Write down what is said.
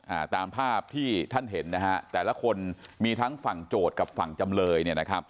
อ่าตามภาพที่ท่านเห็นนะฮะแต่ละคนมีทั้งฝั่งโจทย์กับฝั่งจำเลยเนี่ยนะครับ